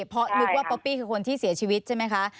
เพราะนึกว่าป๊อปปี้คือคนที่เสียชีวิตใช่ไหมคะ